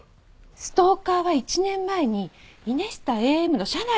ストーカーは１年前にイネスタＡＭの社内にいた人間！